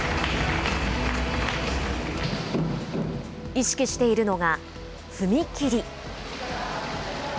意識しているのが、踏み切り。